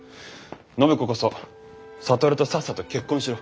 暢子こそ智とさっさと結婚しろ。